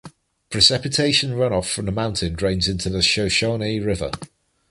Precipitation runoff from the mountain drains into the Shoshone River.